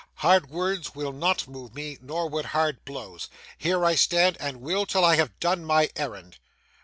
Hard words will not move me, nor would hard blows. Here I stand, and will, till I have done my errand.